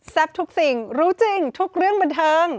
ทุกสิ่งรู้จริงทุกเรื่องบันเทิง